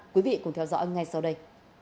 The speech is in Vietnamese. quý vị cùng theo dõi ngay sau đây